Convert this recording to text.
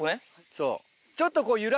そう。